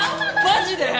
マジで！？